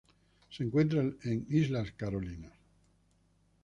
Se encuentra en Islas Carolinas.